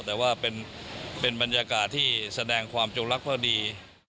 แต่ว่าเป็นบรรยากาศที่แสดงความจงรักพอดี